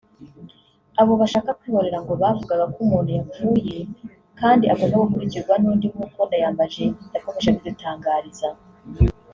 Abo bashaka kwihorera ngo bavugaga “ko umuntu yapfuye kandi agomba gukurikirwa n’undi” nk’uko Ndayambaje yakomeje abidutangariza